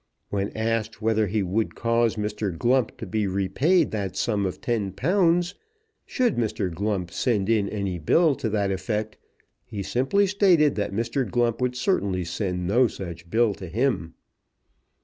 When asked whether he would cause Mr. Glump to be repaid that sum of ten pounds, should Mr. Glump send in any bill to that effect, he simply stated that Mr. Glump would certainly send no such bill to him.